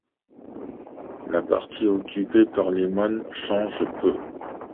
La partie occupée par les moines change peu.